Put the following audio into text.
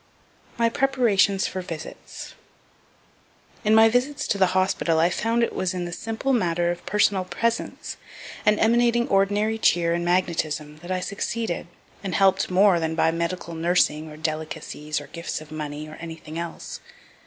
MY PREPARATIONS FOR VISITS In my visits to the hospitals I found it was in the simple matter of personal presence, and emanating ordinary cheer and magnetism, that I succeeded and help'd more than by medical nursing, or delicacies, or gifts of money, or anything else.